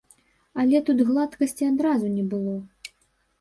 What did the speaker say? Але тут гладкасці адразу не было.